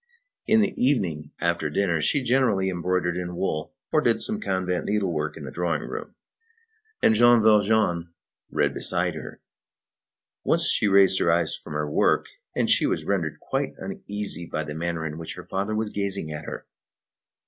In the evening, after dinner, she generally embroidered in wool or did some convent needlework in the drawing room, and Jean Valjean read beside her. Once she raised her eyes from her work, and was rendered quite uneasy by the manner in which her father was gazing at her.